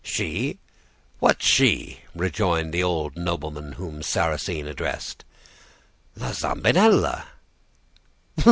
"'She! what she?' rejoined the old nobleman whom Sarrasine addressed. "'La Zambinella.